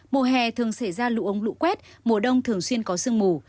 mùa hè thường xảy ra lụ ống lụ quét mùa đông thường xuyên có sương mù